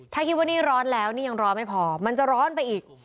ถ้าคิดว่านี่ร้อนแล้วนี่ยังร้อนไม่พอมันจะร้อนไปอีก